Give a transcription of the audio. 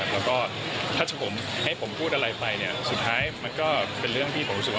แล้วก็ถ้าผมให้ผมพูดอะไรไปเนี่ยสุดท้ายมันก็เป็นเรื่องที่ผมรู้สึกว่า